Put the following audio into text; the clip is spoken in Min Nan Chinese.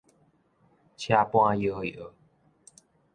車搬搖搖